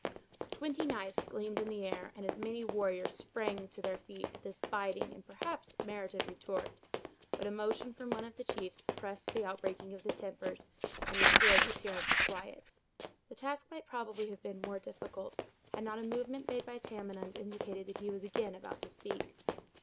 Twenty knives gleamed in the air, and as many warriors sprang to their feet, at this biting, and perhaps merited retort; but a motion from one of the chiefs suppressed the outbreaking of their tempers, and restored the appearance of quiet. The task might probably have been more difficult, had not a movement made by Tamenund indicated that he was again about to speak.